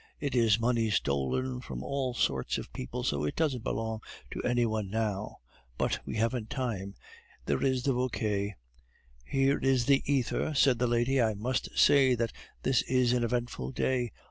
It is money stolen from all sorts of people, so it doesn't belong to any one now. But we haven't time, there is the Vauquer." "Here is the ether," said that lady. "I must say that this is an eventful day.